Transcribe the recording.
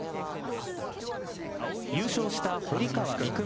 優勝した堀川未来